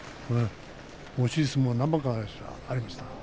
惜しい相撲が何番かありました。